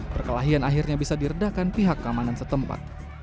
perkelahian akhirnya bisa diredakan pihak keamanan setempat